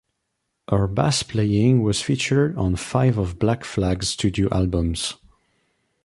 Her bass playing was featured on five of Black Flag's studio albums.